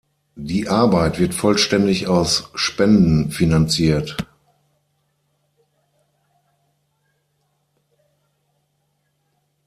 Die Arbeit wird vollständig aus Spenden finanziert.